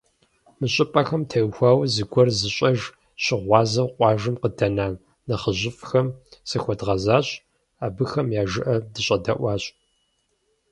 Мы щӏыпӏэхэм теухуауэ зыгуэр зыщӏэж, щыгъуазэу къуажэм къыдэна нэхъыжьыфӏхэм захуэдгъэзащ, абыхэм я жыӏэ дыщӏэдэӏуащ.